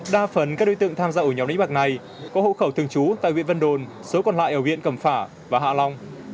đa phần các đối tượng tham gia ổ nhóm đánh bạc này có hộ khẩu thường trú tại huyện vân đồn số còn lại ở huyện cầm phả và hạ long